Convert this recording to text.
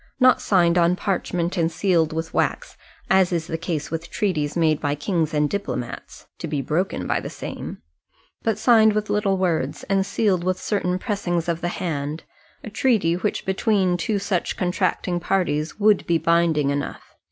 Not signed on parchment, and sealed with wax, as is the case with treaties made by kings and diplomats, to be broken by the same; but signed with little words, and sealed with certain pressings of the hand, a treaty which between two such contracting parties would be binding enough.